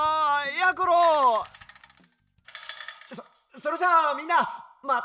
そそれじゃみんなまたあした！